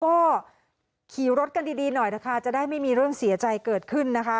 ก็ขี่รถกันดีหน่อยนะคะจะได้ไม่มีเรื่องเสียใจเกิดขึ้นนะคะ